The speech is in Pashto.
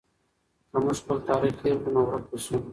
که موږ خپل تاریخ هېر کړو نو ورک به سو.